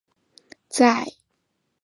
在圆盘上做一个标记来做定量描述。